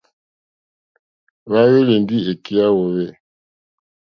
Hwá ŋwèyélì ndí èkí yá hwōhwê.